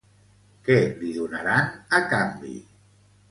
Què li donaran a canvi?